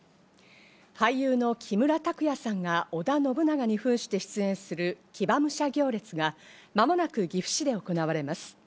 俳優の木村拓哉さんが織田信長にふんして出演する騎馬武者行列が間もなく岐阜市で行われます。